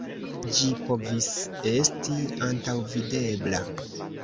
Ĝi povis esti antaŭvidebla.